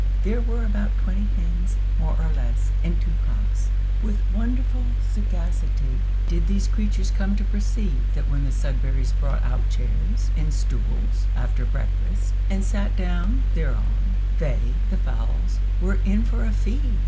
There were about twenty hens, more or less, and two cocks. With wonderful sagacity did these creatures come to perceive that when the Sudberrys brought out chairs and stools after breakfast, and sat down thereon, they, the fowls, were in for a feed!